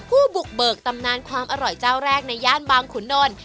ผู้บุกเบิกตำนานความอร่อยเจ้าแรกในย่านบางขุนนล